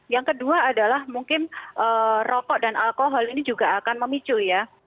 yang kedua adalah mungkin rokok dan alkohol ini juga akan memicu ya